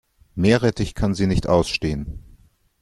Meerrettich kann sie nicht ausstehen.